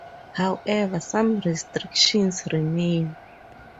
However, some restrictions remain.